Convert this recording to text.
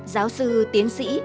giáo sư tiến sĩ